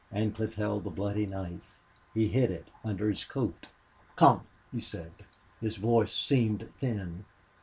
Ancliffe held the bloody knife; he hid it under his coat. "Come," he said. His voice seemed thin.